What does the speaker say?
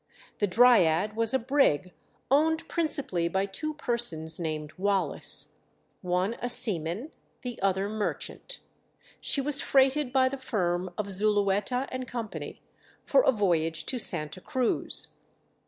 The 'Dryad' was a brig owned principally by two persons named Wallace, one a seaman, the other merchant. She was freighted by the firm of Zulueta and Co. for a voyage to Santa Cruz.